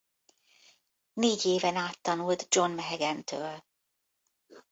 Négy éven át tanult John Mehegan-tól.